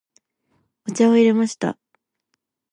お茶を入れました。